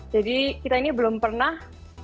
jadi kita ini belum pernah